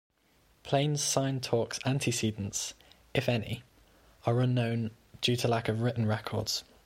Plains Sign Talk's antecedents, if any, are unknown, due to lack of written records.